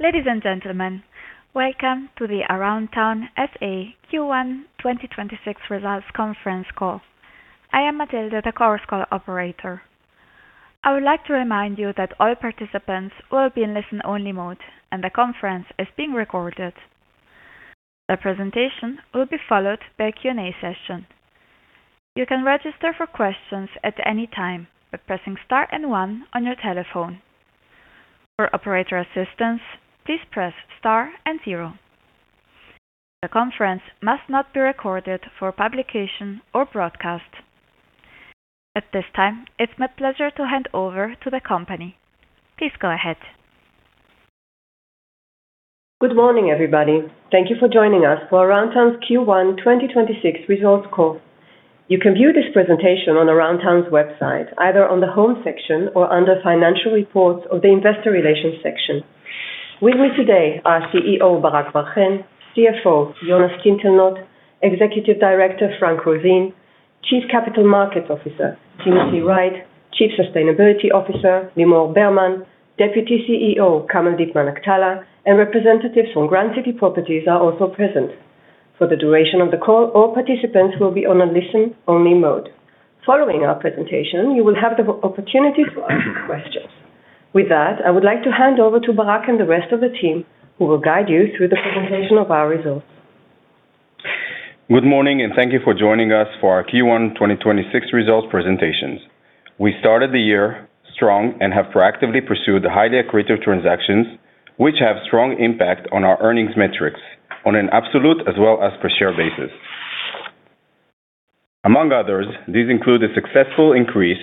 Ladies and gentlemen, welcome to the Aroundtown SA Q1 2026 results conference call. I am Matilde, the Chorus Call operator. I would like to remind you that all participants will be in listen-only mode, and the conference is being recorded. The presentation will be followed by a Q&A session. You can register for questions at any time by pressing star and one on your telephone. For operator assistance, please press star and zero. The conference must not be recorded for publication or broadcast. At this time, it's my pleasure to hand over to the company. Please go ahead. Good morning, everybody. Thank you for joining us for Aroundtown's Q1 2026 results call. You can view this presentation on Aroundtown's website, either on the home section or under Financial Reports of the Investor Relations section. With me today are CEO, Barak Bar-Hen, CFO, Jonas Tintelnot, Executive Director, Frank Roseen, Chief Capital Markets Officer, Timothy Wright, Chief Sustainability Officer, Limor Bermann, Deputy CEO, Kamaldeep Manaktala, and representatives from Grand City Properties are also present. For the duration of the call, all participants will be on a listen-only mode. Following our presentation, you will have the opportunity to ask questions. With that, I would like to hand over to Barak and the rest of the team, who will guide you through the presentation of our results. Good morning, and thank you for joining us for our Q1 2026 results presentation. We started the year strong and have proactively pursued the highly accretive transactions, which have strong impact on our earnings metrics on an absolute as well as per share basis. Among others, these include a successful increase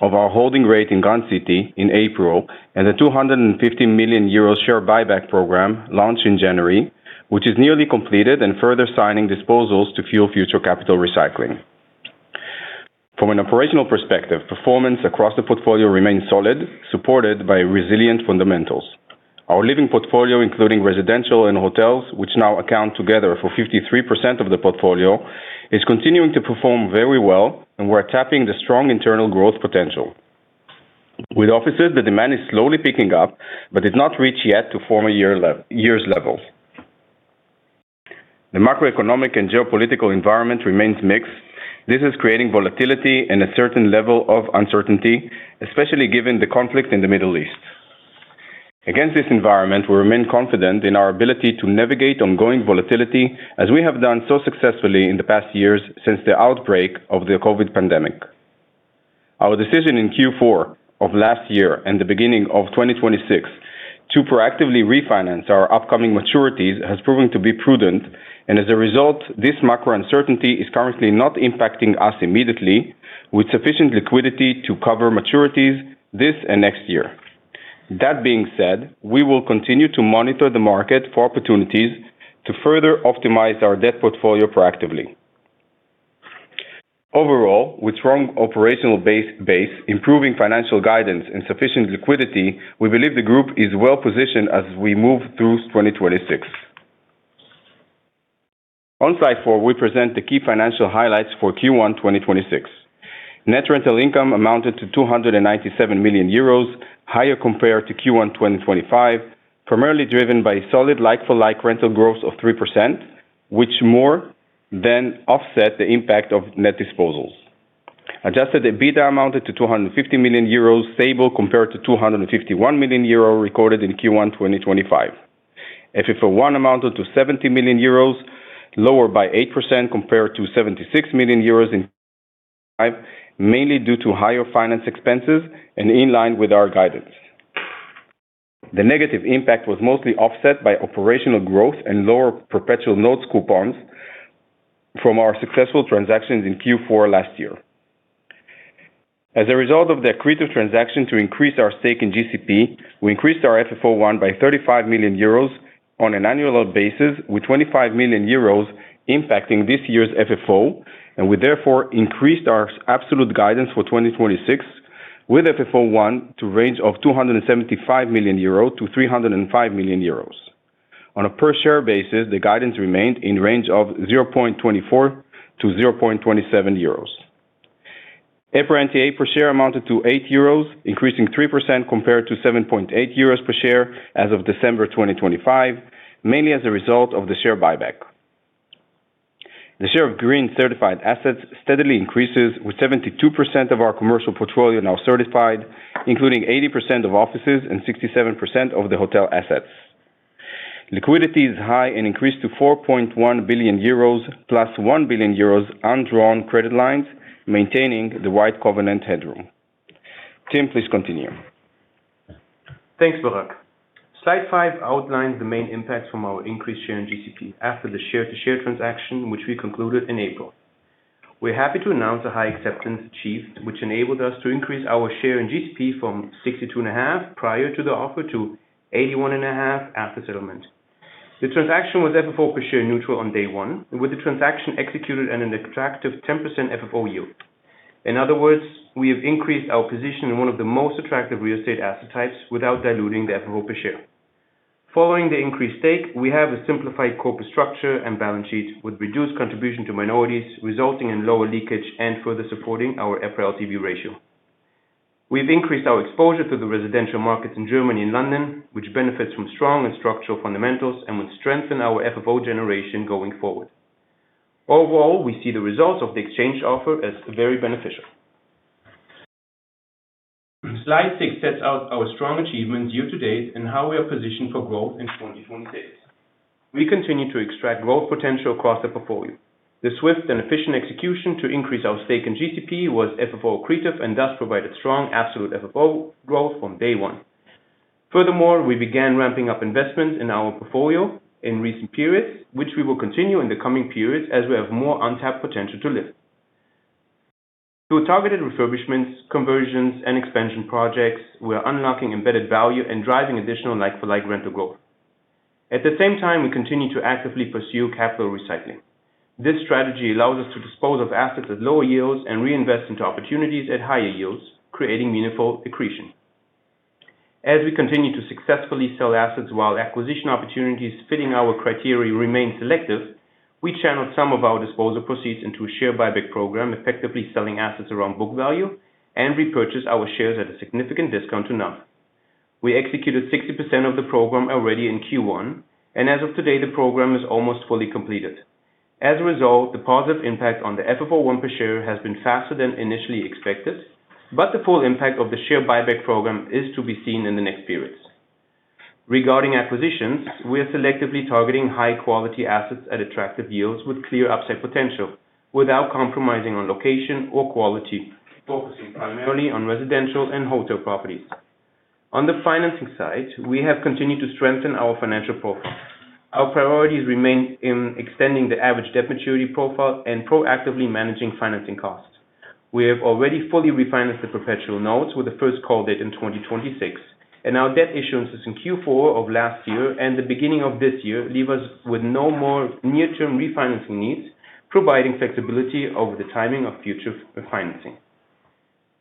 of our holding rate in Grand City in April and a 250 million euro share buyback program launched in January, which is nearly completed and further signing disposals to fuel future capital recycling. From an operational perspective, performance across the portfolio remains solid, supported by resilient fundamentals. Our living portfolio, including residential and hotels, which now account together for 53% of the portfolio, is continuing to perform very well, and we're tapping the strong internal growth potential. With offices, the demand is slowly picking up but has not reached yet to former years levels. The macroeconomic and geopolitical environment remains mixed. This is creating volatility and a certain level of uncertainty, especially given the conflict in the Middle East. Against this environment, we remain confident in our ability to navigate ongoing volatility, as we have done so successfully in the past years since the outbreak of the COVID pandemic. Our decision in Q4 of last year and the beginning of 2026 to proactively refinance our upcoming maturities has proven to be prudent. As a result, this macro uncertainty is currently not impacting us immediately, with sufficient liquidity to cover maturities this and next year. That being said, we will continue to monitor the market for opportunities to further optimize our debt portfolio proactively. Overall, with strong operational base, improving financial guidance, and sufficient liquidity, we believe the group is well-positioned as we move through 2026. On slide four, we present the key financial highlights for Q1 2026. Net rental income amounted to 297 million euros, higher compared to Q1 2025, primarily driven by solid like-for-like rental growth of 3%, which more than offset the impact of net disposals. Adjusted EBITDA amounted to 250 million euros, stable compared to 251 million euros recorded in Q1 2025. FFO I amounted to 70 million euros, lower by 8% compared to 76 million euros in 2025 mainly due to higher finance expenses and in line with our guidance. The negative impact was mostly offset by operational growth and lower perpetual notes coupons from our successful transactions in Q4 last year. As a result of the accretive transaction to increase our stake in GCP, we increased our FFO I by 35 million euros on an annual basis, with 25 million euros impacting this year's FFO, and we therefore increased our absolute guidance for 2026 with FFO I to range of 275 million-305 million euro. On a per share basis, the guidance remained in range of 0.24-0.27 euros. EPRA NTA per share amounted to 8 euros, increasing 3% compared to 7.8 euros per share as of December 2025, mainly as a result of the share buyback. The share of green certified assets steadily increases, with 72% of our commercial portfolio now certified, including 80% of offices and 67% of the hotel assets. Liquidity is high and increased to 4.1 billion euros plus 1 billion euros undrawn credit lines, maintaining the wide covenant headroom. Tim, please continue. Thanks, Barak. Slide five outlines the main impacts from our increased share in GCP after the share-to-share transaction, which we concluded in April. We're happy to announce the high acceptance achieved, which enabled us to increase our share in GCP from 62.5% prior to the offer to 81.5% after settlement. The transaction was FFO per share neutral on day one, with the transaction executed at an attractive 10% FFO yield. In other words, we have increased our position in one of the most attractive real estate asset types without diluting the FFO per share. Following the increased stake, we have a simplified corporate structure and balance sheet with reduced contribution to minorities, resulting in lower leakage and further supporting our EPRA LTV ratio. We've increased our exposure to the residential markets in Germany and London, which benefits from strong and structural fundamentals and would strengthen our FFO generation going forward. Overall, we see the results of the exchange offer as very beneficial. Slide six sets out our strong achievements year to date and how we are positioned for growth in 2026. We continue to extract growth potential across the portfolio. The swift and efficient execution to increase our stake in GCP was FFO accretive and thus provided strong absolute FFO growth from day one. Furthermore, we began ramping up investments in our portfolio in recent periods, which we will continue in the coming periods as we have more untapped potential to lift. Through targeted refurbishments, conversions, and expansion projects, we are unlocking embedded value and driving additional like-for-like rental growth. At the same time, we continue to actively pursue capital recycling. This strategy allows us to dispose of assets at lower yields and reinvest into opportunities at higher yields, creating meaningful accretion. As we continue to successfully sell assets while acquisition opportunities fitting our criteria remain selective, we channeled some of our disposal proceeds into a share buyback program, effectively selling assets around book value, and repurchased our shares at a significant discount to NAV. We executed 60% of the program already in Q1, and as of today, the program is almost fully completed. As a result, the positive impact on the FFO I per share has been faster than initially expected. The full impact of the share buyback program is to be seen in the next periods. Regarding acquisitions, we are selectively targeting high-quality assets at attractive yields with clear upside potential without compromising on location or quality, focusing primarily on residential and hotel properties. On the financing side, we have continued to strengthen our financial profile. Our priorities remain in extending the average debt maturity profile and proactively managing financing costs. We have already fully refinanced the perpetual notes with the first call date in 2026, and our debt issuances in Q4 of last year and the beginning of this year leave us with no more near-term refinancing needs, providing flexibility over the timing of future refinancing.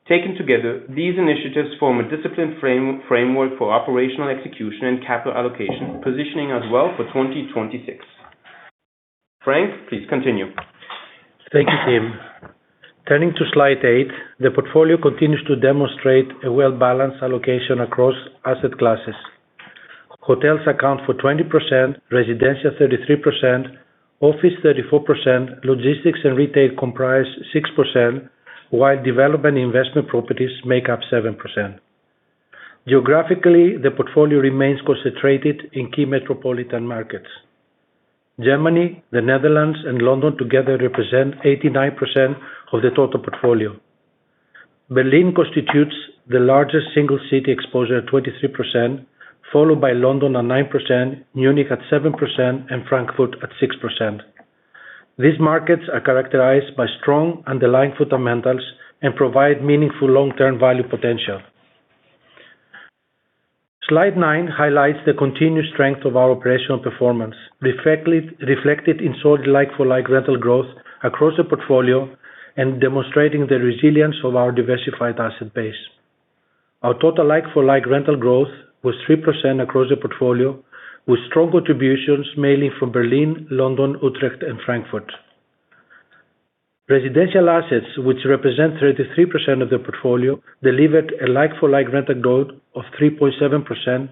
Taken together, these initiatives form a disciplined framework for operational execution and capital allocation, positioning us well for 2026. Frank, please continue. Thank you, Tim. Turning to slide eight, the portfolio continues to demonstrate a well-balanced allocation across asset classes. Hotels account for 20%, residential 33%, office 34%, logistics and retail comprise 6%, while development investment properties make up 7%. Geographically, the portfolio remains concentrated in key metropolitan markets. Germany, the Netherlands, and London together represent 89% of the total portfolio. Berlin constitutes the largest single city exposure at 23%, followed by London at 9%, Munich at 7%, and Frankfurt at 6%. These markets are characterized by strong underlying fundamentals and provide meaningful long-term value potential. Slide nine highlights the continued strength of our operational performance, reflected in solid like-for-like rental growth across the portfolio and demonstrating the resilience of our diversified asset base. Our total like-for-like rental growth was 3% across the portfolio, with strong contributions mainly from Berlin, London, Utrecht, and Frankfurt. Residential assets, which represent 33% of the portfolio, delivered a like-for-like rental growth of 3.7%,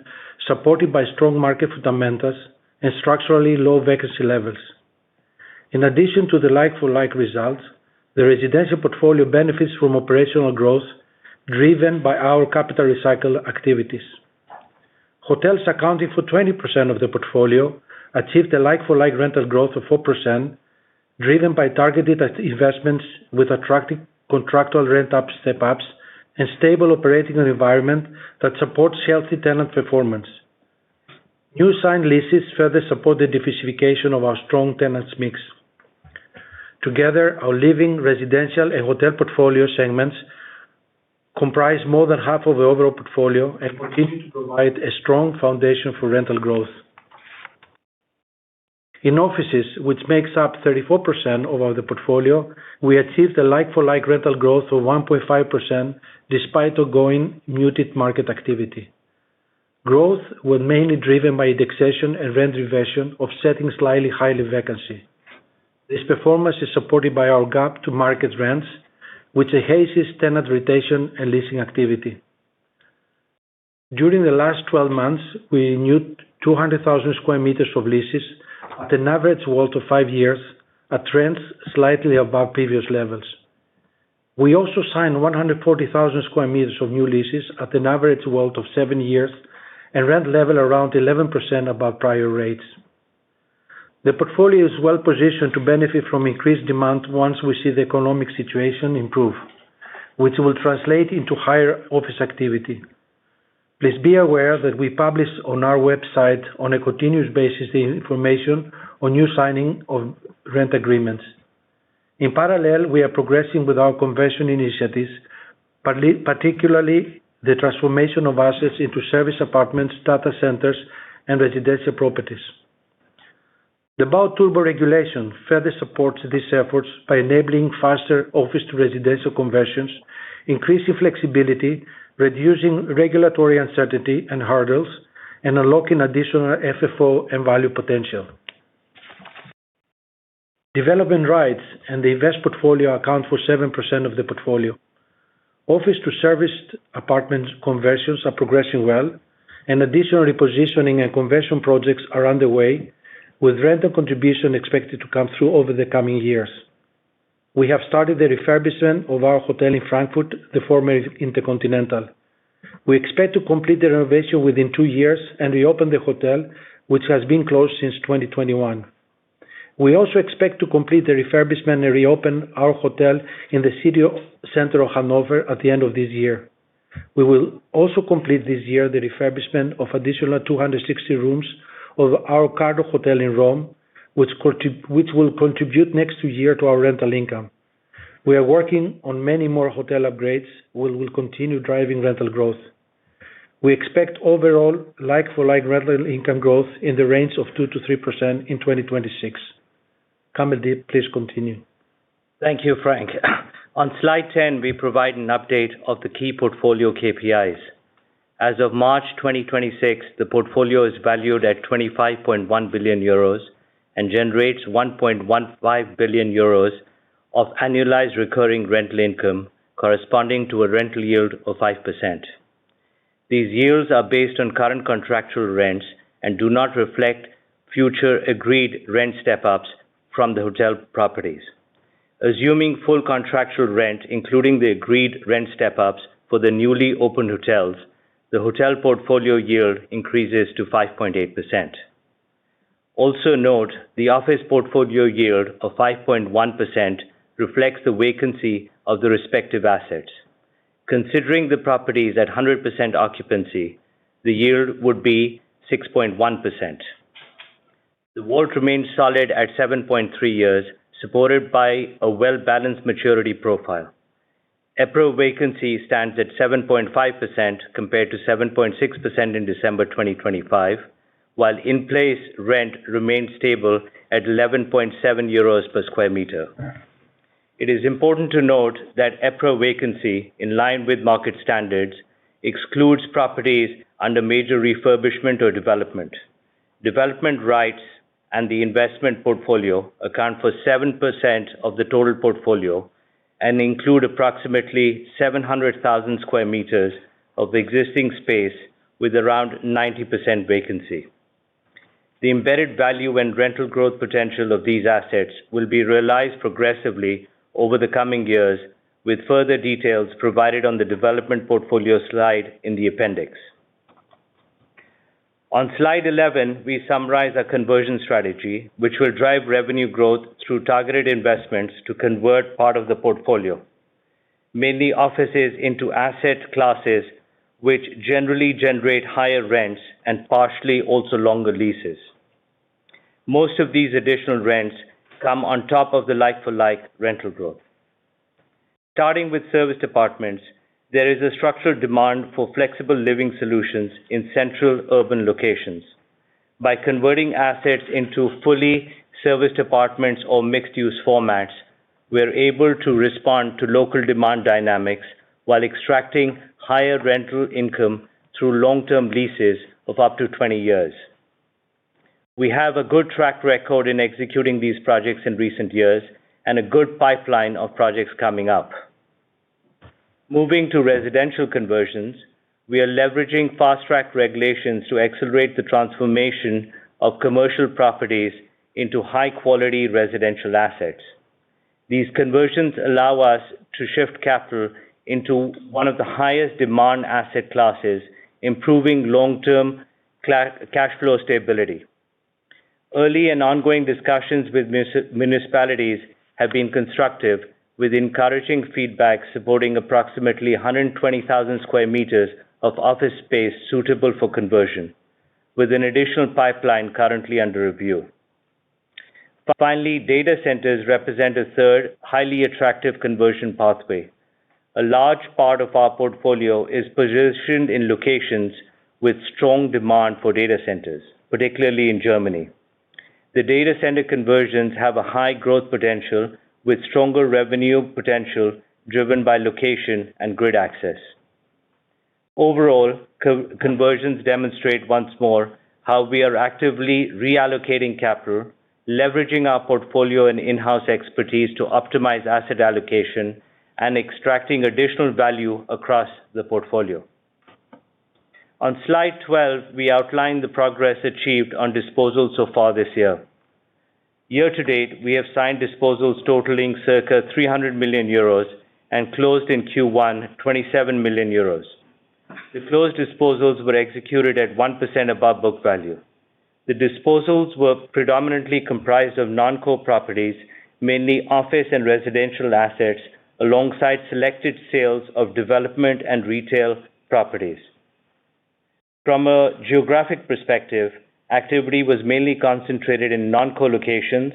supported by strong market fundamentals and structurally low vacancy levels. In addition to the like-for-like results, the residential portfolio benefits from operational growth driven by our capital recycle activities. Hotels accounting for 20% of the portfolio achieved a like-for-like rental growth of 4%, driven by targeted investments with attractive contractual rent step ups and stable operating environment that supports healthy tenant performance. New signed leases further support the diversification of our strong tenants mix. Together, our living, residential, and hotel portfolio segments comprise more than half of the overall portfolio and continue to provide a strong foundation for rental growth. In offices, which makes up 34% of the portfolio, we achieved a like-for-like rental growth of 1.5% despite ongoing muted market activity. Growth was mainly driven by indexation and rent revision offsetting slightly higher vacancy. This performance is supported by our gap to market rents, which enhances tenant retention and leasing activity. During the last 12 months, we renewed 200,000 sq m of leases at an average WALT of five years, a trend slightly above previous levels. We also signed 140,000 sq m of new leases at an average WALT of seven years and rent level around 11% above prior rates. The portfolio is well positioned to benefit from increased demand once we see the economic situation improve, which will translate into higher office activity. Please be aware that we publish on our website on a continuous basis the information on new signing of rent agreements. In parallel, we are progressing with our conversion initiatives, particularly the transformation of assets into service apartments, data centers, and residential properties. The Bauturbo regulation further supports these efforts by enabling faster office-to-residential conversions, increasing flexibility, reducing regulatory uncertainty and hurdles, and unlocking additional FFO and value potential. Development rights and the invest portfolio account for 7% of the portfolio. Office to serviced apartments conversions are progressing well, and additional repositioning and conversion projects are underway, with rental contribution expected to come through over the coming years. We have started the refurbishment of our hotel in Frankfurt, the former InterContinental. We expect to complete the renovation within two years and reopen the hotel, which has been closed since 2021. We also expect to complete the refurbishment and reopen our hotel in the city center of Hanover at the end of this year. We will also complete this year the refurbishment of additional 260 rooms of our Cardo Hotel in Rome, which will contribute next year to our rental income. We are working on many more hotel upgrades, which will continue driving rental growth. We expect overall like-for-like rental income growth in the range of 2%-3% in 2026. Kamaldeep, please continue. Thank you, Frank. On slide 10, we provide an update of the key portfolio KPIs. As of March 2026, the portfolio is valued at 25.1 billion euros and generates 1.15 billion euros of annualized recurring rental income, corresponding to a rental yield of 5%. These yields are based on current contractual rents and do not reflect future agreed rent step-ups from the hotel properties. Assuming full contractual rent, including the agreed rent step-ups for the newly opened hotels, the hotel portfolio yield increases to 5.8%. Also note the office portfolio yield of 5.1% reflects the vacancy of the respective assets. Considering the properties at 100% occupancy, the yield would be 6.1%. The WALT remains solid at 7.3 years, supported by a well-balanced maturity profile. EPRA vacancy stands at 7.5% compared to 7.6% in December 2025, while in-place rent remains stable at 11.7 euros per square meter. It is important to note that EPRA vacancy, in line with market standards, excludes properties under major refurbishment or development. Development rights and the investment portfolio account for 7% of the total portfolio and include approximately 700,000 sq m of existing space with around 90% vacancy. The embedded value and rental growth potential of these assets will be realized progressively over the coming years, with further details provided on the development portfolio slide in the appendix. On slide 11, we summarize our conversion strategy, which will drive revenue growth through targeted investments to convert part of the portfolio. Mainly offices into asset classes, which generally generate higher rents and partially also longer leases. Most of these additional rents come on top of the like-for-like rental growth. Starting with serviced apartments, there is a structural demand for flexible living solutions in central urban locations. By converting assets into fully serviced apartments or mixed-use formats, we're able to respond to local demand dynamics while extracting higher rental income through long-term leases of up to 20 years. We have a good track record in executing these projects in recent years and a good pipeline of projects coming up. Moving to residential conversions, we are leveraging fast-track regulations to accelerate the transformation of commercial properties into high-quality residential assets. These conversions allow us to shift capital into one of the highest demand asset classes, improving long-term cash flow stability. Early and ongoing discussions with municipalities have been constructive, with encouraging feedback supporting approximately 120,000 sq m of office space suitable for conversion, with an additional pipeline currently under review. Finally, data centers represent a third highly attractive conversion pathway. A large part of our portfolio is positioned in locations with strong demand for data centers, particularly in Germany. The data center conversions have a high growth potential, with stronger revenue potential driven by location and grid access. Overall, conversions demonstrate once more how we are actively reallocating capital, leveraging our portfolio and in-house expertise to optimize asset allocation, and extracting additional value across the portfolio. On slide 12, we outline the progress achieved on disposals so far this year. Year to date, we have signed disposals totaling circa 300 million euros and closed in Q1 27 million euros. The closed disposals were executed at 1% above book value. The disposals were predominantly comprised of non-core properties, mainly office and residential assets, alongside selected sales of development and retail properties. From a geographic perspective, activity was mainly concentrated in non-core locations,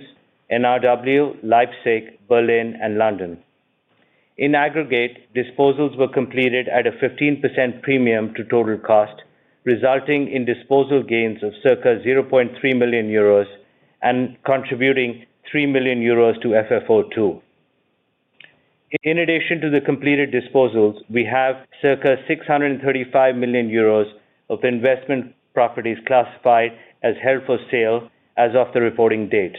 NRW, Leipzig, Berlin, and London. In aggregate, disposals were completed at a 15% premium to total cost, resulting in disposal gains of circa 0.3 million euros and contributing 3 million euros to FFO II. In addition to the completed disposals, we have circa 635 million euros of investment properties classified as held for sale as of the reporting date.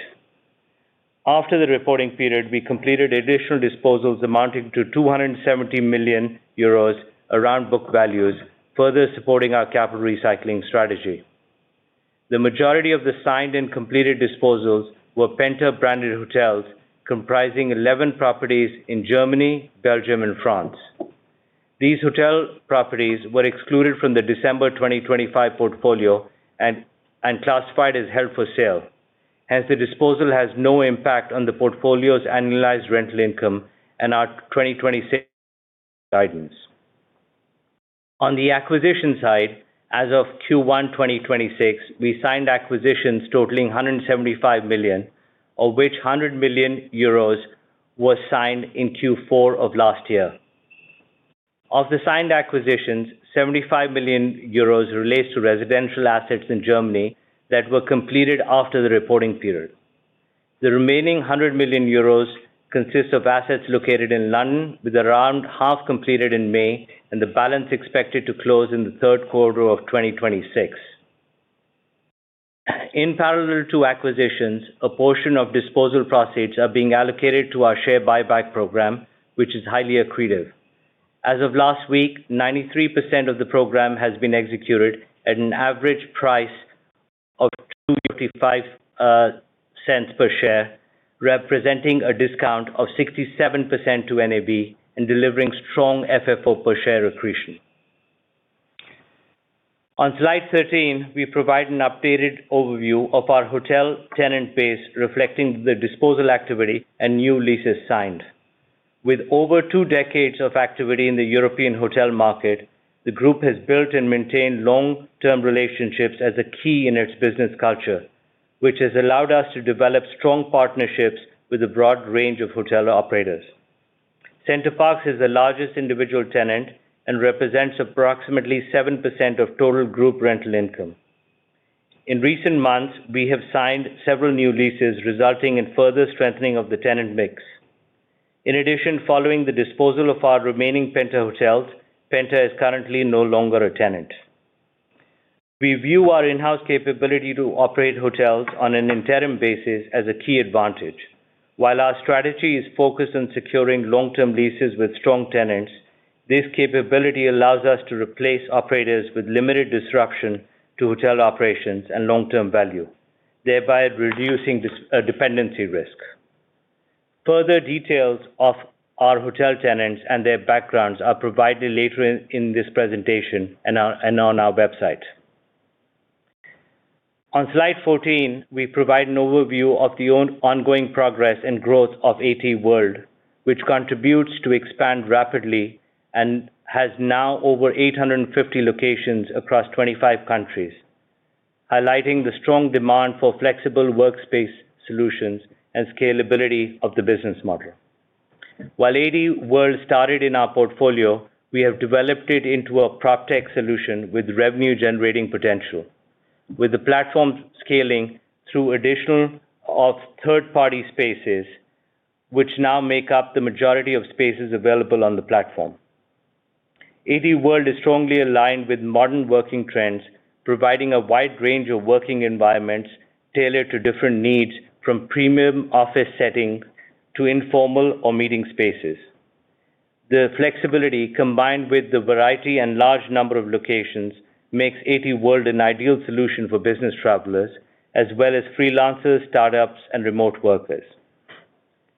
After the reporting period, we completed additional disposals amounting to 270 million euros around book values, further supporting our capital recycling strategy. The majority of the signed and completed disposals were Penta-branded hotels comprising 11 properties in Germany, Belgium, and France. These hotel properties were excluded from the December 2025 portfolio and classified as held for sale. Hence, the disposal has no impact on the portfolio's annualized rental income and our 2026 guidance. On the acquisition side, as of Q1 2026, we signed acquisitions totaling 175 million, of which 100 million euros was signed in Q4 of last year. Of the signed acquisitions, 75 million euros relates to residential assets in Germany that were completed after the reporting period. The remaining 100 million euros consists of assets located in London, with around half completed in May, and the balance expected to close in the third quarter of 2026. In parallel to acquisitions, a portion of disposal proceeds are being allocated to our share buyback program, which is highly accretive. As of last week, 93% of the program has been executed at an average price of 2.55 per share, representing a discount of 67% to NAV and delivering strong FFO per share accretion. On slide 13, we provide an updated overview of our hotel tenant base, reflecting the disposal activity and new leases signed. With over two decades of activity in the European hotel market, the group has built and maintained long-term relationships as a key in its business culture, which has allowed us to develop strong partnerships with a broad range of hotel operators. Center Parcs is the largest individual tenant and represents approximately 7% of total group rental income. In recent months, we have signed several new leases, resulting in further strengthening of the tenant mix. In addition, following the disposal of our remaining Penta hotels, Penta is currently no longer a tenant. We view our in-house capability to operate hotels on an interim basis as a key advantage. While our strategy is focused on securing long-term leases with strong tenants, this capability allows us to replace operators with limited disruption to hotel operations and long-term value, thereby reducing dependency risk. Further details of our hotel tenants and their backgrounds are provided later in this presentation and on our website. On slide 14, we provide an overview of the ongoing progress and growth of ATworld, which contributes to expand rapidly and has now over 850 locations across 25 countries, highlighting the strong demand for flexible workspace solutions and scalability of the business model. While ATworld started in our portfolio, we have developed it into a PropTech solution with revenue-generating potential, with the platform scaling through additional of third-party spaces, which now make up the majority of spaces available on the platform. ATworld is strongly aligned with modern working trends, providing a wide range of working environments tailored to different needs, from premium office setting to informal or meeting spaces. The flexibility, combined with the variety and large number of locations, makes ATworld an ideal solution for business travelers as well as freelancers, startups, and remote workers.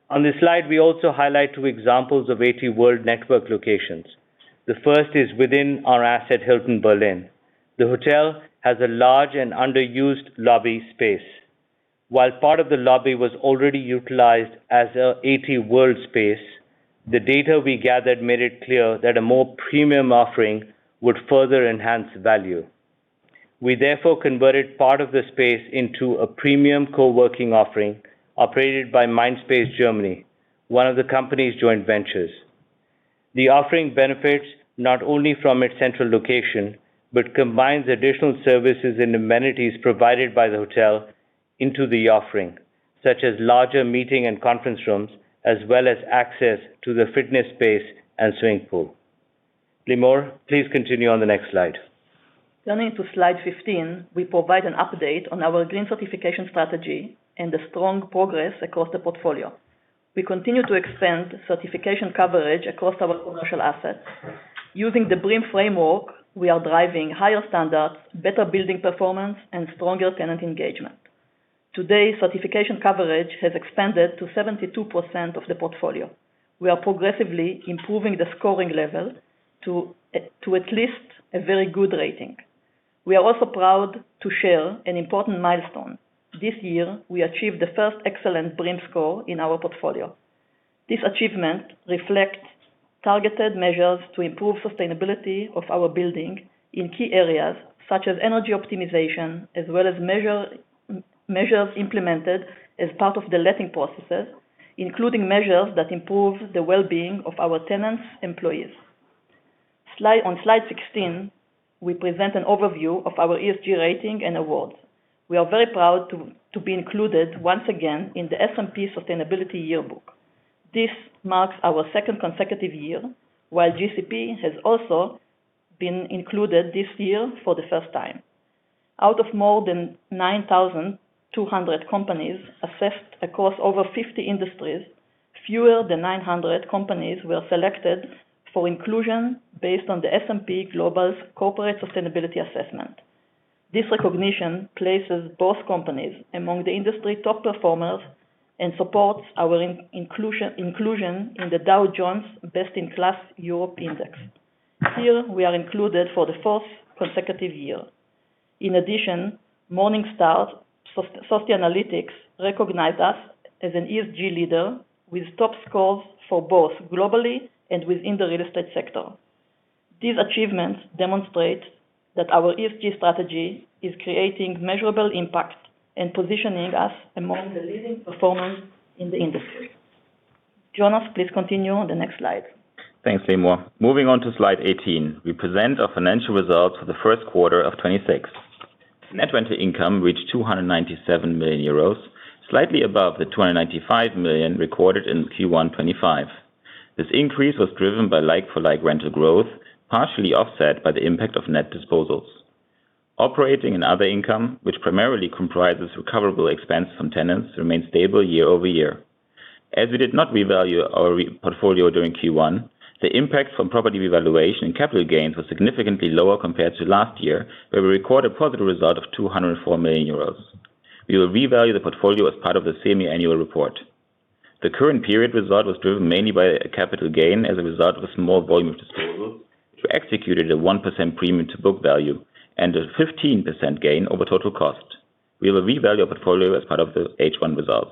On this slide, we also highlight two examples of ATworld network locations. The first is within our asset, Hilton Berlin. The hotel has a large and underused lobby space. While part of the lobby was already utilized as an ATworld space, the data we gathered made it clear that a more premium offering would further enhance value. We therefore converted part of the space into a premium co-working offering operated by Mindspace Germany, one of the company's joint ventures. The offering benefits not only from its central location but combines additional services and amenities provided by the hotel into the offering, such as larger meeting and conference rooms, as well as access to the fitness space and swimming pool. Limor, please continue on the next slide. Turning to slide 15, we provide an update on our green certification strategy and the strong progress across the portfolio. We continue to expand certification coverage across our commercial assets. Using the BREEAM framework, we are driving higher standards, better building performance, and stronger tenant engagement. Today, certification coverage has expanded to 72% of the portfolio. We are progressively improving the scoring level to at least a very good rating. We are also proud to share an important milestone. This year, we achieved the first excellent BREEAM score in our portfolio. This achievement reflects targeted measures to improve sustainability of our building in key areas such as energy optimization as well as measures implemented as part of the letting processes, including measures that improve the well-being of our tenants' employees. On slide 16, we present an overview of our ESG rating and awards. We are very proud to be included once again in the S&P Sustainability Yearbook. This marks our second consecutive year, while GCP has also been included this year for the first time. Out of more than 9,200 companies assessed across over 50 industries, fewer than 900 companies were selected for inclusion based on the S&P Global's Corporate Sustainability Assessment. This recognition places both companies among the industry top performers and supports our inclusion in the Dow Jones Best-in-Class Europe Index. Here, we are included for the fourth consecutive year. In addition, Morningstar Sustainalytics recognized us as an ESG leader with top scores for both globally and within the real estate sector. These achievements demonstrate that our ESG strategy is creating measurable impact and positioning us among the leading performers in the industry. Jonas, please continue on the next slide. Thanks, Limor. Moving on to slide 18, we present our financial results for the first quarter of 2026. Net rental income reached 297 million euros, slightly above the 295 million recorded in Q1 2025. This increase was driven by like-for-like rental growth, partially offset by the impact of net disposals. Operating and other income, which primarily comprises recoverable expenses from tenants, remained stable year-over-year. As we did not revalue our portfolio during Q1, the impact from property revaluation and capital gains was significantly lower compared to last year, where we recorded a positive result of 204 million euros. We will revalue the portfolio as part of the semi-annual report. The current period result was driven mainly by a capital gain as a result of a small volume of disposal, which executed a 1% premium to book value and a 15% gain over total cost. We will revalue our portfolio as part of the H1 results.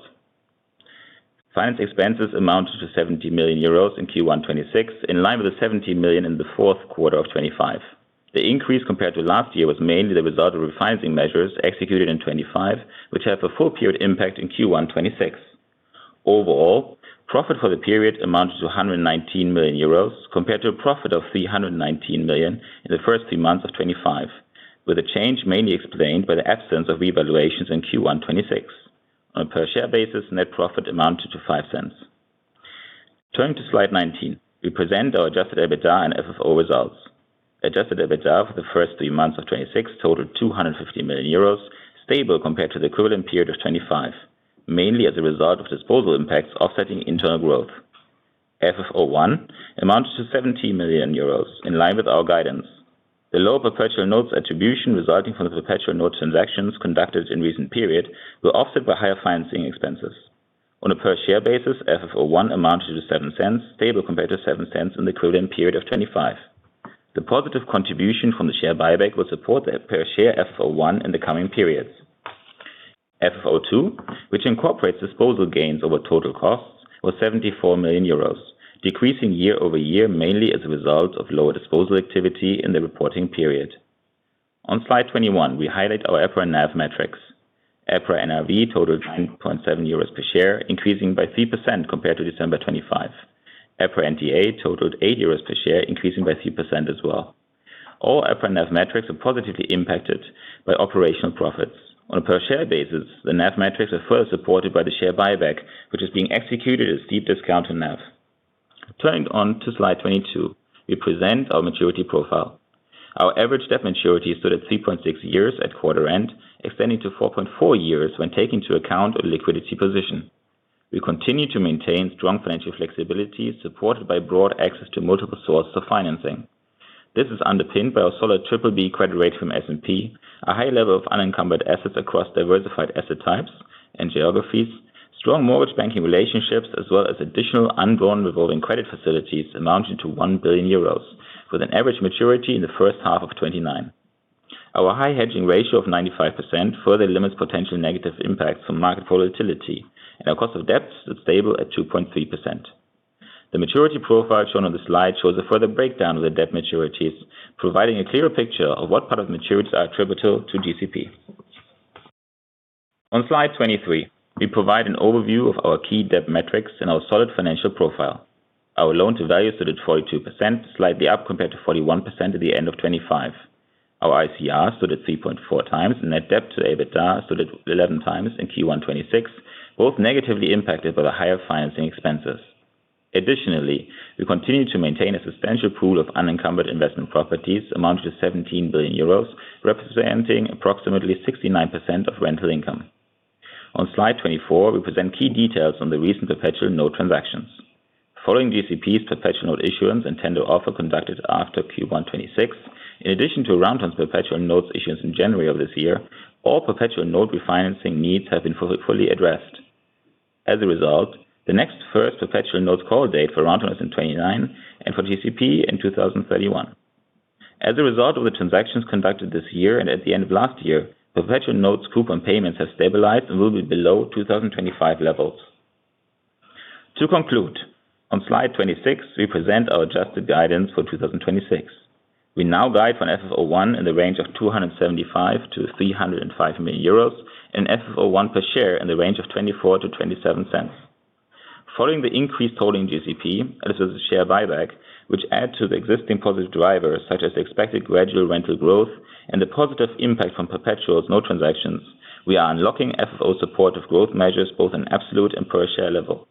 Finance expenses amounted to 70 million euros in Q1 2026, in line with the 70 million in the fourth quarter of 2025. The increase compared to last year was mainly the result of refinancing measures executed in 2025, which have a full period impact in Q1 2026. Overall, profit for the period amounted to 119 million euros, compared to a profit of 319 million in the first three months of 2025, with the change mainly explained by the absence of revaluations in Q1 2026. On a per share basis, net profit amounted to 0.05. Turning to slide 19, we present our adjusted EBITDA and FFO results. Adjusted EBITDA for the first three months of 2026 totaled 250 million euros, stable compared to the equivalent period of 2025, mainly as a result of disposal impacts offsetting internal growth. FFO I amounted to 70 million euros, in line with our guidance. The lower perpetual notes attribution resulting from the perpetual note transactions conducted in recent period were offset by higher financing expenses. On a per share basis, FFO I amounted to 0.07, stable compared to 0.07 in the equivalent period of 2025. The positive contribution from the share buyback will support the per share FFO I in the coming periods. FFO II, which incorporates disposal gains over total costs, was 74 million euros, decreasing year-over-year, mainly as a result of lower disposal activity in the reporting period. On slide 21, we highlight our EPRA NAV metrics. EPRA NRV totaled 9.7 euros per share, increasing by 3% compared to December 2025. EPRA NTA totaled 8 euros per share, increasing by 3% as well. All EPRA NAV metrics are positively impacted by operational profits. On a per share basis, the NAV metrics are further supported by the share buyback, which is being executed at steep discount to NAV. Turning on to slide 22, we present our maturity profile. Our average debt maturity stood at 3.6 years at quarter end, extending to 4.4 years when taking into account our liquidity position. We continue to maintain strong financial flexibility, supported by broad access to multiple sources of financing. This is underpinned by our solid BBB credit rate from S&P, a high level of unencumbered assets across diversified asset types and geographies, strong mortgage banking relationships, as well as additional undrawn revolving credit facilities amounting to 1 billion euros, with an average maturity in the first half of 2029. Our high hedging ratio of 95% further limits potential negative impacts from market volatility, and our cost of debt is stable at 2.3%. The maturity profile shown on the slide shows a further breakdown of the debt maturities, providing a clearer picture of what part of maturities are attributable to GCP. On slide 23, we provide an overview of our key debt metrics and our solid financial profile. Our loan-to-value stood at 42%, slightly up compared to 41% at the end of 2025. Our ICR stood at 3.4x, net debt to EBITDA stood at 11x in Q1 2026, both negatively impacted by the higher financing expenses. Additionally, we continue to maintain a substantial pool of unencumbered investment properties amounting to 17 billion euros, representing approximately 69% of rental income. On slide 24, we present key details on the recent perpetual note transactions. Following GCP's perpetual note issuance and tender offer conducted after Q1 2026, in addition to Aroundtown's perpetual notes issuance in January of this year, all perpetual note refinancing needs have been fully addressed. As a result, the next first perpetual notes call date for Aroundtown is in 2029 and for GCP in 2031. As a result of the transactions conducted this year and at the end of last year, perpetual notes coupon payments have stabilized and will be below 2025 levels. To conclude, on slide 26, we present our adjusted guidance for 2026. We now guide for an FFO I in the range of 275 million-305 million euros, and FFO I per share in the range of 0.24-0.27. Following the increased holding GCP, this is a share buyback, which add to the existing positive drivers such as the expected gradual rental growth and the positive impact from perpetual note transactions. We are unlocking FFO supportive growth measures both in absolute and per share level.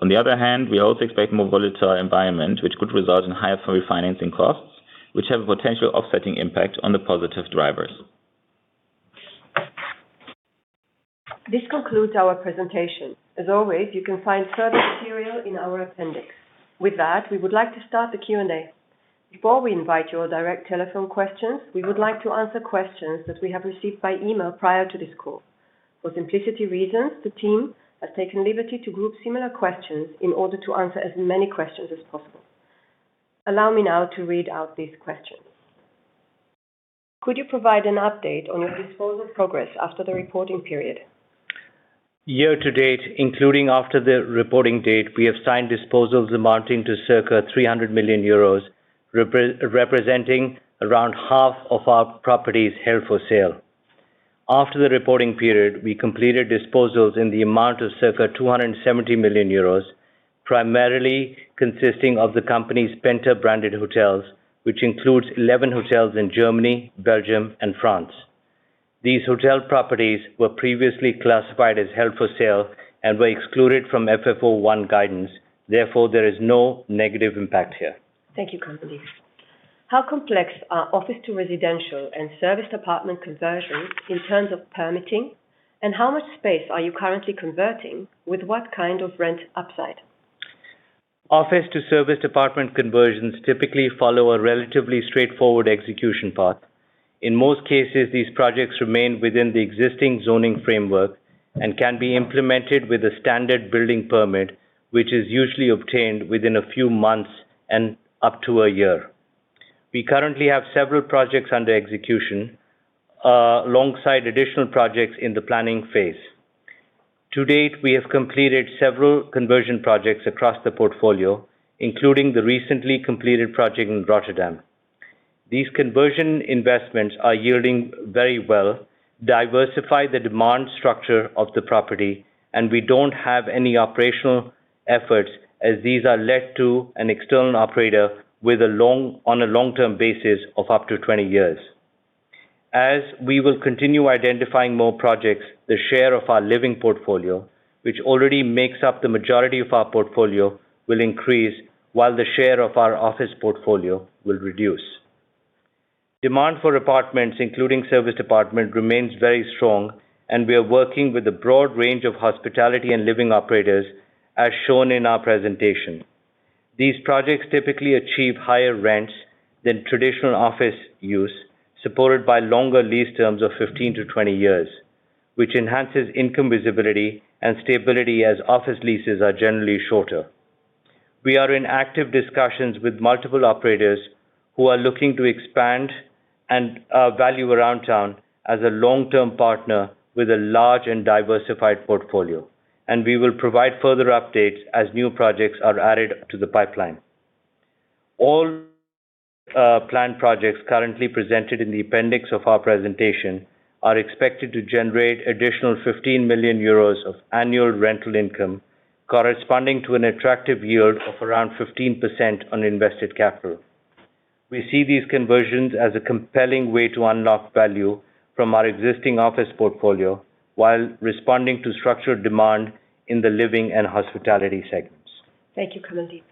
On the other hand, we also expect more volatile environment, which could result in higher refinancing costs, which have a potential offsetting impact on the positive drivers. This concludes our presentation. As always, you can find further material in our appendix. With that, we would like to start the Q&A. Before we invite your direct telephone questions, we would like to answer questions that we have received by email prior to this call. For simplicity reasons, the team has taken liberty to group similar questions in order to answer as many questions as possible. Allow me now to read out these questions. Could you provide an update on your disposal progress after the reporting period? Year to date, including after the reporting date, we have signed disposals amounting to circa 300 million euros, representing around half of our properties held for sale. After the reporting period, we completed disposals in the amount of circa 270 million euros, primarily consisting of the company's Penta-branded hotels, which includes 11 hotels in Germany, Belgium and France. These hotel properties were previously classified as held for sale and were excluded from FFO I guidance. Therefore, there is no negative impact here. Thank you, Kamaldeep. How complex are office to residential and serviced apartment conversions in terms of permitting? How much space are you currently converting? With what kind of rent upside? Office to serviced apartment conversions typically follow a relatively straightforward execution path. In most cases, these projects remain within the existing zoning framework and can be implemented with a standard building permit, which is usually obtained within a few months and up to a year. We currently have several projects under execution, alongside additional projects in the planning phase. To date, we have completed several conversion projects across the portfolio, including the recently completed project in Rotterdam. These conversion investments are yielding very well, diversify the demand structure of the property, and we don't have any operational efforts as these are let to an external operator on a long-term basis of up to 20 years. As we will continue identifying more projects, the share of our living portfolio, which already makes up the majority of our portfolio, will increase while the share of our office portfolio will reduce. Demand for apartments, including serviced apartment, remains very strong, and we are working with a broad range of hospitality and living operators, as shown in our presentation. These projects typically achieve higher rents than traditional office use, supported by longer lease terms of 15-20 years, which enhances income visibility and stability as office leases are generally shorter. We are in active discussions with multiple operators who are looking to expand and value Aroundtown as a long-term partner with a large and diversified portfolio. We will provide further updates as new projects are added to the pipeline. All planned projects currently presented in the appendix of our presentation are expected to generate additional 15 million euros of annual rental income, corresponding to an attractive yield of around 15% on invested capital. We see these conversions as a compelling way to unlock value from our existing office portfolio while responding to structured demand in the living and hospitality segments. Thank you, Kamaldeep.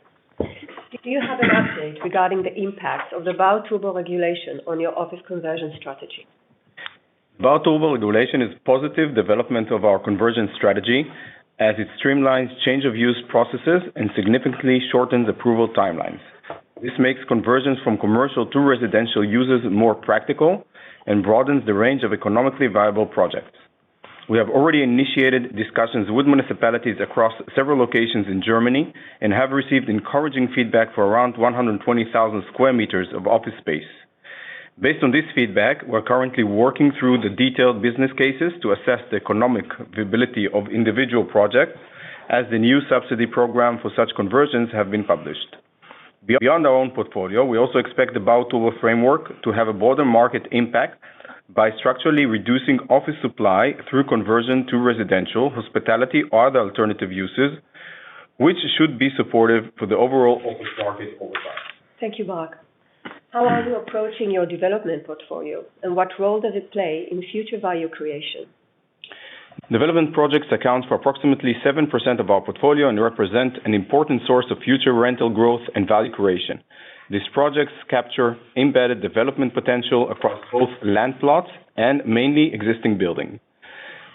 Do you have an update regarding the impact of the Bauturbo regulation on your office conversion strategy? Bauturbo regulation is positive development of our conversion strategy as it streamlines change of use processes and significantly shortens approval timelines. This makes conversions from commercial to residential uses more practical and broadens the range of economically viable projects. We have already initiated discussions with municipalities across several locations in Germany and have received encouraging feedback for around 120,000 sq m of office space. Based on this feedback, we're currently working through the detailed business cases to assess the economic viability of individual projects as the new subsidy program for such conversions have been published. Beyond our own portfolio, we also expect the Bauturbo framework to have a broader market impact by structurally reducing office supply through conversion to residential, hospitality, or other alternative uses, which should be supportive for the overall office market over time. Thank you, Barak. How are you approaching your development portfolio and what role does it play in future value creation? Development projects account for approximately 7% of our portfolio and represent an important source of future rental growth and value creation. These projects capture embedded development potential across both land plots and mainly existing buildings.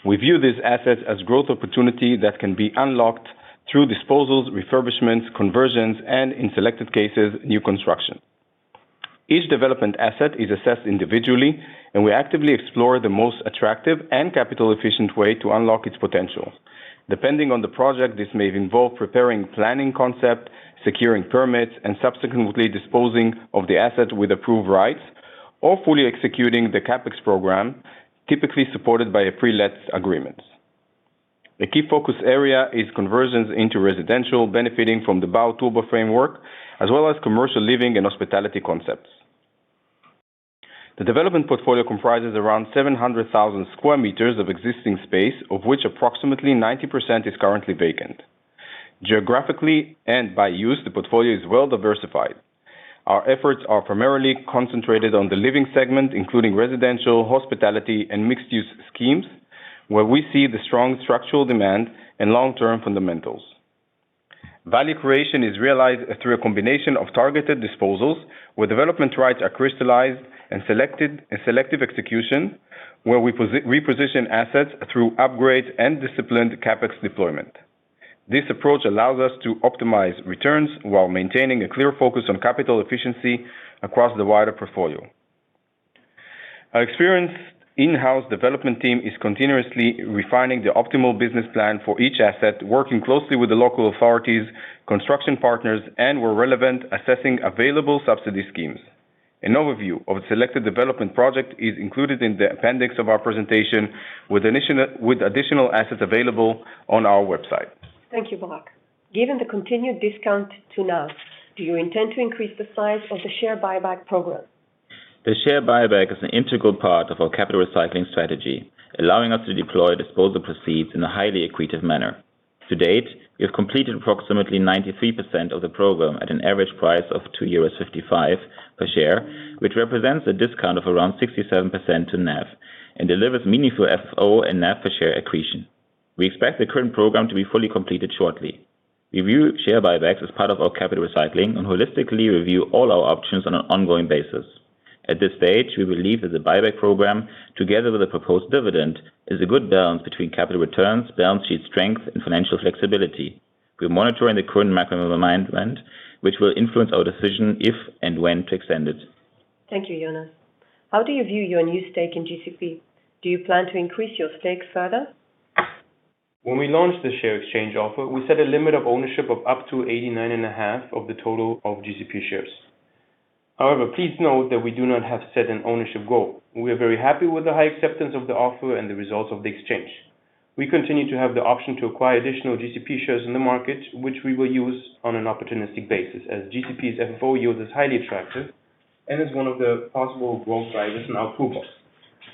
We view these assets as growth opportunity that can be unlocked through disposals, refurbishments, conversions, and in selected cases, new construction. Each development asset is assessed individually, and we actively explore the most attractive and capital efficient way to unlock its potential. Depending on the project, this may involve preparing planning concept, securing permits, and subsequently disposing of the asset with approved rights, or fully executing the CapEx program, typically supported by a pre-let agreement. A key focus area is conversions into residential benefiting from the Bauturbo framework, as well as commercial living and hospitality concepts. The development portfolio comprises around 700,000 sq m of existing space, of which approximately 90% is currently vacant. Geographically and by use, the portfolio is well-diversified. Our efforts are primarily concentrated on the living segment, including residential, hospitality, and mixed-use schemes, where we see the strong structural demand and long-term fundamentals. Value creation is realized through a combination of targeted disposals, where development rights are crystallized and selective execution, where we reposition assets through upgrades and disciplined CapEx deployment. This approach allows us to optimize returns while maintaining a clear focus on capital efficiency across the wider portfolio. Our experienced in-house development team is continuously refining the optimal business plan for each asset, working closely with the local authorities, construction partners, and where relevant, assessing available subsidy schemes. An overview of a selected development project is included in the appendix of our presentation with additional assets available on our website. Thank you, Barak. Given the continued discount to NAV, do you intend to increase the size of the share buyback program? The share buyback is an integral part of our capital recycling strategy, allowing us to deploy disposal proceeds in a highly accretive manner. To date, we have completed approximately 93% of the program at an average price of 2.55 euros per share, which represents a discount of around 67% to NAV and delivers meaningful FFO and NAV per share accretion. We expect the current program to be fully completed shortly. We view share buybacks as part of our capital recycling and holistically review all our options on an ongoing basis. At this stage, we believe that the buyback program, together with the proposed dividend, is a good balance between capital returns, balance sheet strength, and financial flexibility. We are monitoring the current macro environment, which will influence our decision if and when to extend it. Thank you, Jonas. How do you view your new stake in GCP? Do you plan to increase your stake further? When we launched the share exchange offer, we set a limit of ownership of up to 89.5% of the total of GCP shares. However, please note that we do not have set an ownership goal. We are very happy with the high acceptance of the offer and the results of the exchange. We continue to have the option to acquire additional GCP shares in the market, which we will use on an opportunistic basis as GCP's FFO yield is highly attractive and is one of the possible growth drivers in our toolbox.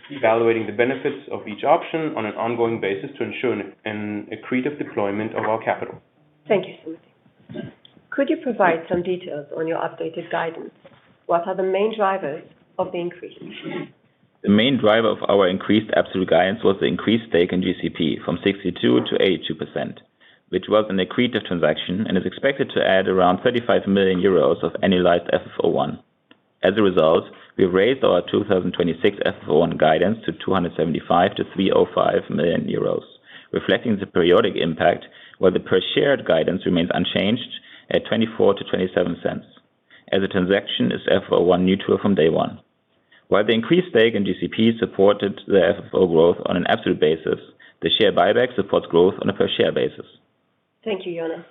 Evaluating the benefits of each option on an ongoing basis to ensure an accretive deployment of our capital. Thank you, Timothy. Could you provide some details on your updated guidance? What are the main drivers of the increase? The main driver of our increased absolute guidance was the increased stake in GCP from 62% to 82%, which was an accretive transaction and is expected to add around 35 million euros of annualized FFO I. As a result, we've raised our 2026 FFO I guidance to 275 million-305 million euros, reflecting the periodic impact where the per share guidance remains unchanged at 0.24-0.27 as the transaction is FFO I neutral from day one. While the increased stake in GCP supported the FFO growth on an absolute basis, the share buyback supports growth on a per share basis. Thank you, Jonas.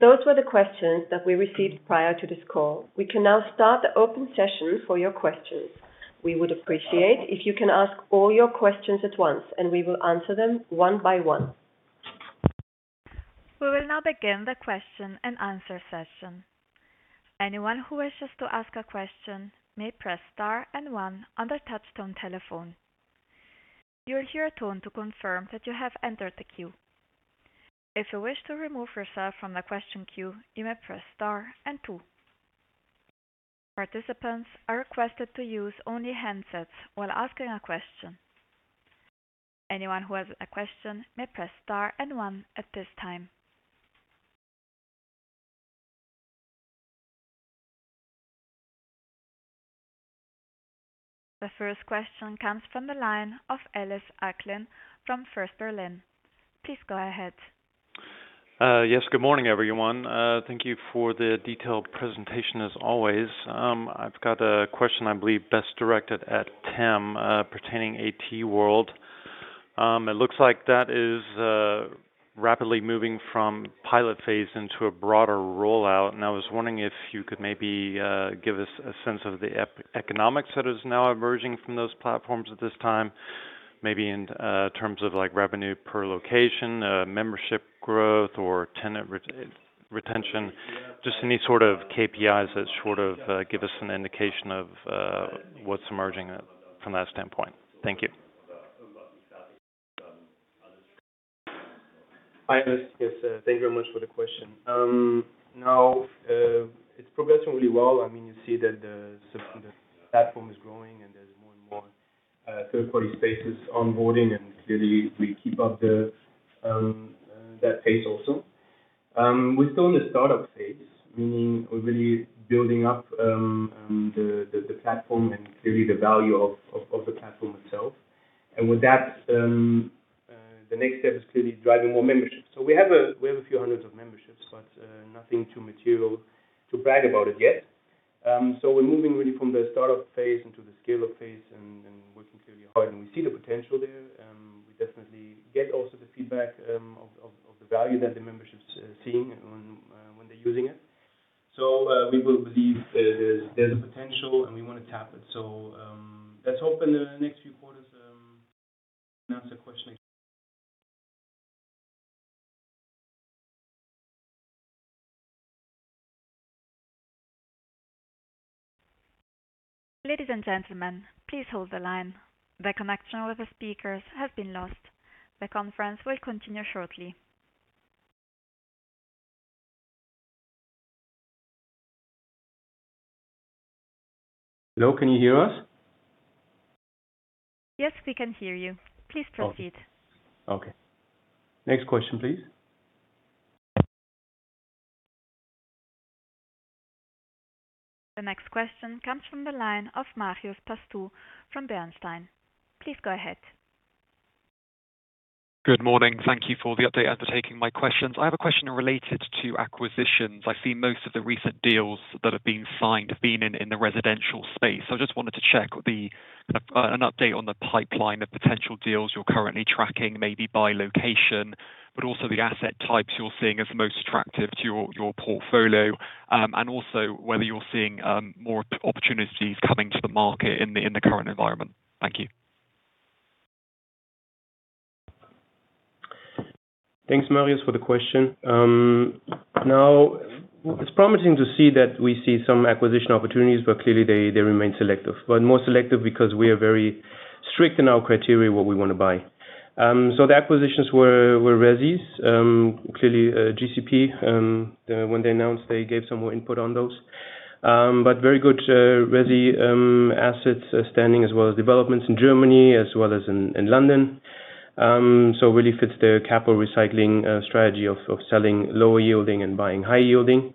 Those were the questions that we received prior to this call. We can now start the open session for your questions. We would appreciate if you can ask all your questions at once, and we will answer them one by one. We will now begin the question-and-answer session. Anyone who wishes to ask a question may press star and one on their touchtone telephone. You will hear a tone to confirm that you have entered the queue. If you wish to remove yourself from the question queue, you may press star and two. Participants are requested to use only handsets while asking a question. Anyone who has a question may press star and one at this time. The first question comes from the line of Ellis Acklin from First Berlin. Please go ahead. Yes. Good morning, everyone. Thank you for the detailed presentation as always. I've got a question I believe best directed at Tim pertaining ATworld. It looks like that is rapidly moving from pilot phase into a broader rollout. I was wondering if you could maybe give us a sense of the economics that is now emerging from those platforms at this time, maybe in terms of revenue per location, membership growth, or tenant retention. Just any sort of KPIs that give us an indication of what's emerging from that standpoint. Thank you. Hi, Ellis. Yes, thank you very much for the question. It's progressing really well. You see that the platform is growing. There's more and more third-party spaces onboarding. Clearly, we keep up that pace also. We're still in the startup phase, meaning we're really building up the platform and clearly the value of the platform itself. With that, the next step is clearly driving more memberships. We have a few hundreds of memberships, but nothing too material to brag about it yet. We're moving really from the startup phase into the scale-up phase and working clearly hard, and we see the potential there. We definitely get also the feedback of the value that the membership's seeing when they're using it. We will believe there's a potential, and we want to tap it. Let's hope in the next few quarters, answer the question again. Ladies and gentlemen, please hold the line. The connection with the speakers has been lost. The conference will continue shortly. Hello, can you hear us? Yes, we can hear you. Please proceed. Okay. Next question, please. The next question comes from the line of Marios Pastou from Bernstein. Please go ahead. Good morning. Thank you for the update and for taking my questions. I have a question related to acquisitions. I see most of the recent deals that have been signed have been in the residential space. I just wanted to check an update on the pipeline of potential deals you're currently tracking, maybe by location, but also the asset types you're seeing as most attractive to your portfolio. Also whether you're seeing more opportunities coming to the market in the current environment. Thank you. Thanks, Marios, for the question. It's promising to see that we see some acquisition opportunities, but clearly they remain selective. More selective because we are very strict in our criteria, what we want to buy. The acquisitions were resis, clearly GCP, when they announced, they gave some more input on those. Very good resi assets standing as well as developments in Germany as well as in London. Really fits their capital recycling strategy of selling lower yielding and buying high yielding.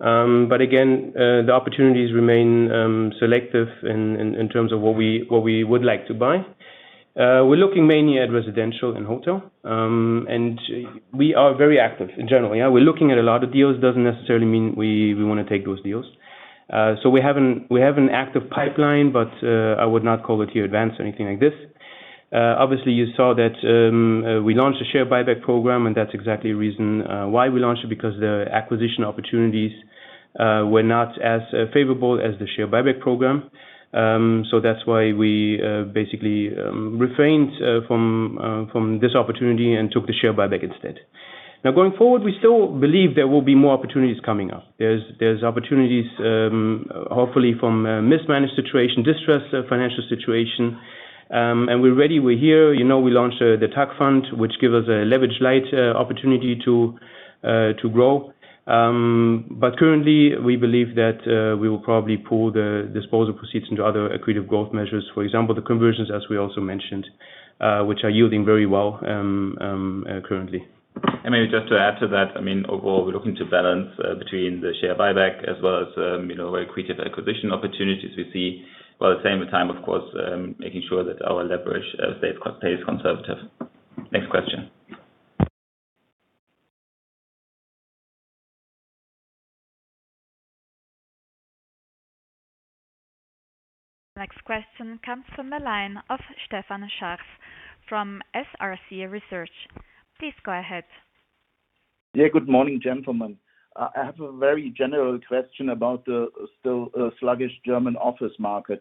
Again, the opportunities remain selective in terms of what we would like to buy. We're looking mainly at residential and hotel. We are very active in general. We're looking at a lot of deals, doesn't necessarily mean we want to take those deals. We have an active pipeline, but I would not call it here advanced or anything like this. Obviously, you saw that we launched a share buyback program, and that's exactly the reason why we launched it, because the acquisition opportunities were not as favorable as the share buyback program. That's why we basically refrained from this opportunity and took the share buyback instead. Going forward, we still believe there will be more opportunities coming up. There's opportunities hopefully from a mismanaged situation, distressed financial situation. We're ready, we're here. We launched the TAC fund, which give us a leverage light opportunity to grow. Currently, we believe that we will probably pull the disposal proceeds into other accretive growth measures. For example, the conversions, as we also mentioned, which are yielding very well currently. Maybe just to add to that, overall, we're looking to balance between the share buyback as well as accretive acquisition opportunities we see, while at the same time, of course, making sure that our leverage stays conservative. Next question. Next question comes from the line of Stefan Scharff from SRC Research. Please go ahead. Good morning, gentlemen. I have a very general question about the sluggish German office market.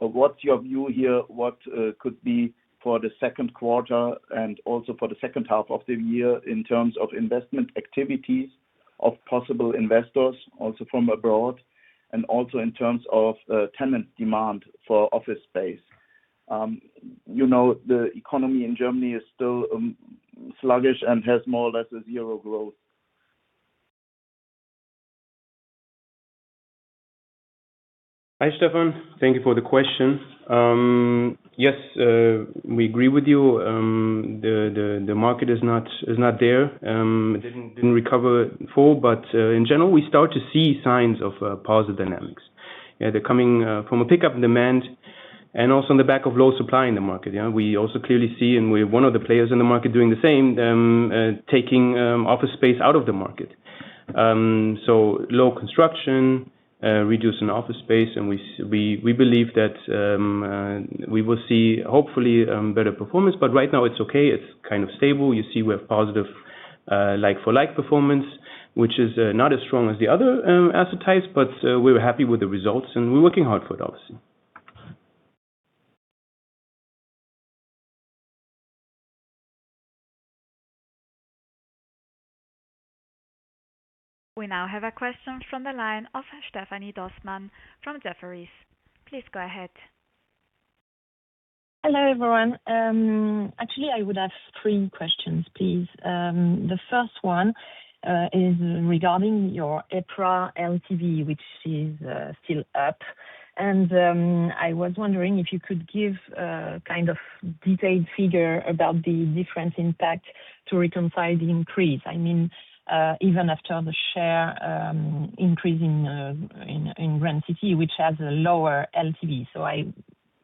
What is your view here? What could be for the second quarter and also for the second half of the year in terms of investment activities of possible investors, also from abroad, and also in terms of tenant demand for office space? The economy in Germany is still sluggish and has more or less a zero growth. Hi, Stefan. Thank you for the question. Yes, we agree with you. The market is not there. It didn't recover full, but in general, we start to see signs of positive dynamics. They're coming from a pickup in demand and also on the back of low supply in the market. We also clearly see, and we have one of the players in the market doing the same, taking office space out of the market. Low construction, reducing office space, and we believe that we will see, hopefully, better performance, but right now it's okay. It's kind of stable. You see we have positive like-for-like performance, which is not as strong as the other asset types, but we're happy with the results and we're working hard for it, obviously. We now have a question from the line of Stephanie Dossmann from Jefferies. Please go ahead. Hello, everyone. Actually, I would have three questions, please. The first one is regarding your EPRA LTV, which is still up. I was wondering if you could give a detailed figure about the different impact to reconcile the increase. I mean, even after the share increase in Grand City, which has a lower LTV. I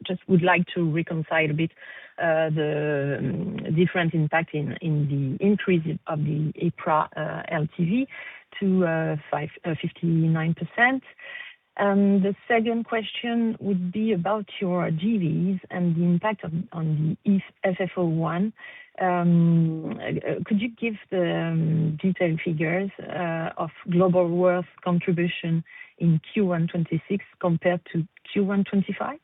just would like to reconcile a bit the different impact in the increase of the EPRA LTV to 59%. The second question would be about your JVs and the impact on the FFO I. Could you give the detailed figures of Globalworth contribution in Q1 2026 compared to Q1 2025?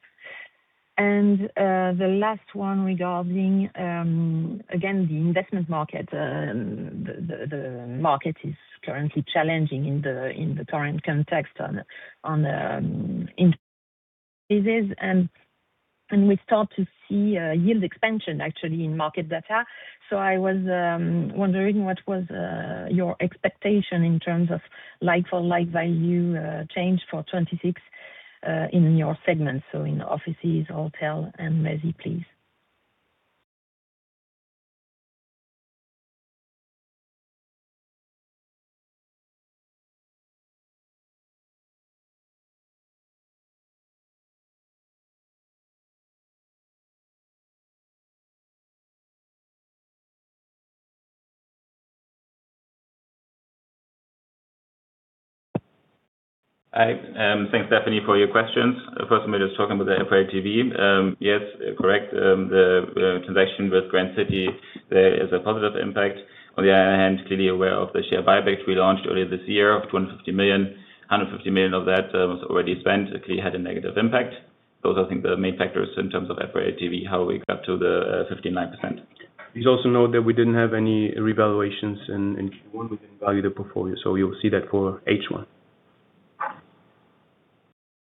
The last one regarding, again, the investment market. The market is currently challenging in the current context on the. We start to see a yield expansion actually in market data. I was wondering, what was your expectation in terms of like-for-like value change for 2026 in your segments, so in offices, hotel, and resi, please? Thanks, Stephanie, for your questions. First, maybe just talking about the EPRA LTV. Yes, correct. The transaction with Grand City, there is a positive impact. On the other hand, clearly aware of the share buyback we launched earlier this year of 250 million. 150 million of that was already spent, clearly had a negative impact. Those are, I think, the main factors in terms of EPRA LTV, how we got to the 59%. Please also note that we didn't have any revaluations in Q1. We didn't value the portfolio. You'll see that for H1.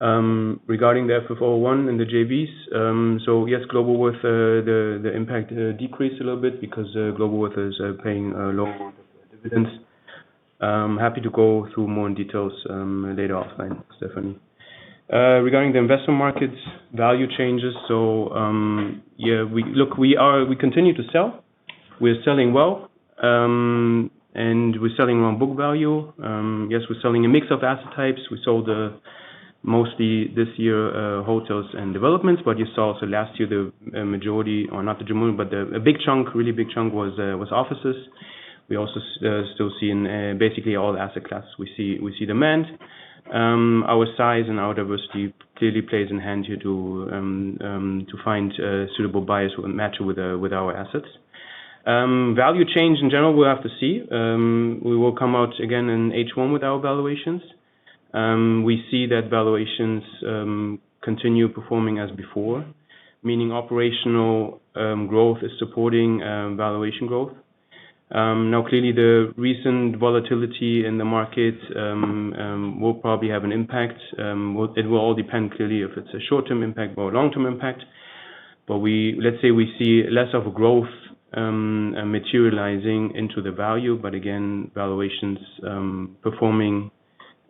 Regarding the FFO I and the JVs, yes, Globalworth, the impact decreased a little bit because Globalworth is paying a lot more dividends. I'm happy to go through more in details later offline, Stephanie. Regarding the investment markets, value changes. Look, we continue to sell. We're selling well. We're selling on book value. Yes, we're selling a mix of asset types. We sold mostly this year hotels and developments, but you saw also last year the majority, or not the majority, but a big chunk, really big chunk was offices. We also still see in basically all asset class, we see demand. Our size and our diversity clearly plays in hand here to find suitable buyers who will match with our assets. Value change in general, we'll have to see. We will come out again in H1 with our valuations. We see that valuations continue performing as before, meaning operational growth is supporting valuation growth. Clearly, the recent volatility in the market will probably have an impact. It will all depend, clearly, if it's a short-term impact or a long-term impact. Let's say we see less of a growth materializing into the value. Again, valuations performing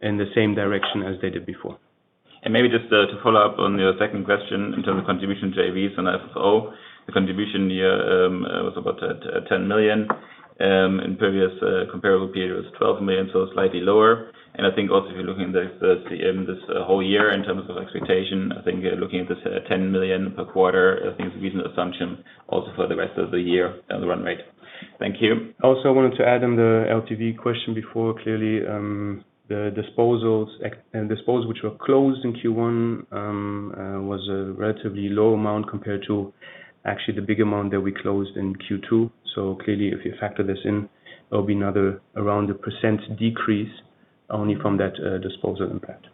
in the same direction as they did before. Maybe just to follow up on your second question in terms of contribution JVs and FFO. The contribution here was about 10 million. In previous comparable period, it was 12 million, so slightly lower. I think also if you're looking this whole year in terms of expectation, I think we're looking at this at 10 million per quarter, I think is a reasonable assumption also for the rest of the year as a run rate. Thank you. Also, I wanted to add on the LTV question before. Clearly, the disposals which were closed in Q1 was a relatively low amount compared to actually the big amount that we closed in Q2. Clearly, if you factor this in, there will be another around a percent decrease only from that disposal impact.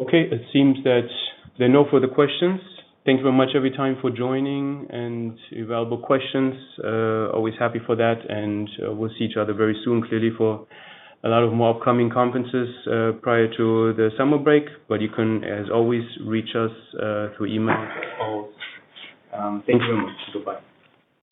Okay. It seems that there are no further questions. Thanks very much every time for joining and your valuable questions. Always happy for that. We'll see each other very soon, clearly for a lot of more upcoming conferences prior to the summer break. You can, as always, reach us through email or phone. Thank you very much. Goodbye.